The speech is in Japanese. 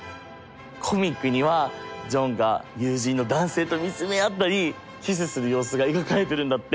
コミックにはジョンが友人の男性と見つめ合ったりキスする様子が描かれているんだって。